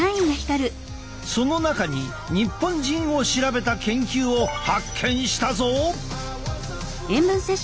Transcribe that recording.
その中に日本人を調べた研究を発見したぞ！